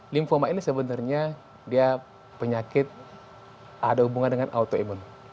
lymphoma ini sebenarnya dia penyakit ada hubungan dengan autoimun